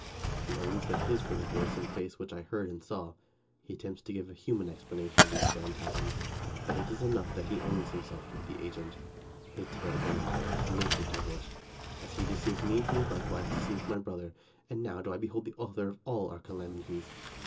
He owns that his were the voice and face which I heard and saw. He attempts to give a human explanation of these phantasms ; but it is enough that he owns himself to be the agent : his tale is a lie, and his nature devilish. As he deceived me, he likewise deceived my brother, and now do I behold the author of all our calamities